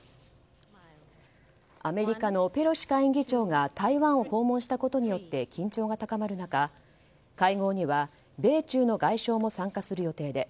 アメリカのペロシ下院議長が台湾を訪問したことによって緊張が高まる中、会合には米中の外相も参加する予定で